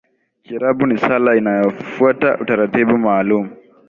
kiarabu ni sala inayofuata utaratibu maalumu